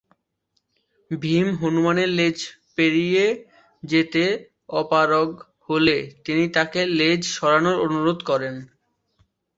ভীম হনুমানের লেজ পেরিয়ে যেতে অপারগ হলে তিনি তাঁকে লেজ সরানোর অনুরোধ করেন।